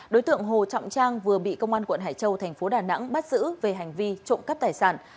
đối tượng hồ trọng trang vừa bị công an quận hải châu thành phố đà nẵng bắt giữ về hành vi trộm cắp tài sản